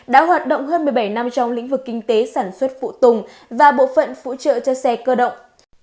năm trong lĩnh vực kinh tế sản xuất phụ tùng và bộ phận phụ trợ cho xe cơ động